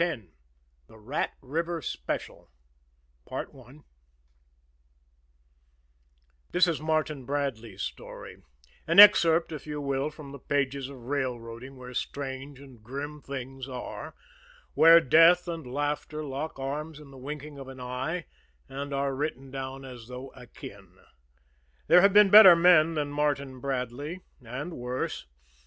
X THE RAT RIVER SPECIAL This is Martin Bradley's story; an excerpt, if you will, from the pages of railroading where strange and grim things are, where death and laughter lock arms in the winking of an eye, and are written down as though akin. There have been better men than Martin Bradley and worse.